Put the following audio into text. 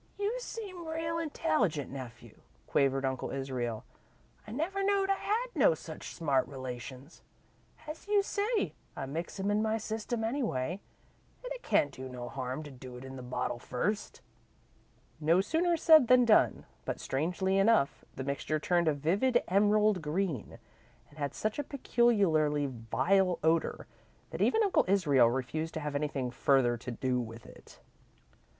"You seem real intelligent, nephew," quavered Uncle Israel. "I never knowed I had no such smart relations. As you say, I mix 'em in my system anyway, an' it can't do no harm to do it in the bottle first." No sooner said than done, but, strangely enough, the mixture turned a vivid emerald green, and had such a peculiarly vile odour that even Uncle Israel refused to have anything further to do with it.